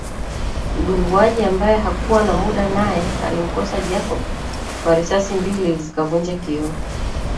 Mdunguaji ambaye hakuwa na muda naye alimkosa Jacob kwa risasi mbili zikavunja kioo